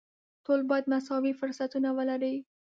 ټول باید مساوي فرصتونه ولري.